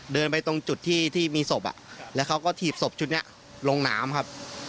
เดินไปตรงจุดที่มีศพแล้วเขาก็ถีบศพชุดนี้ลงน้ำครับ